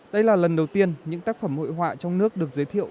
đây là lần đầu tiên những tác phẩm hội họa trong nước được giới thiệu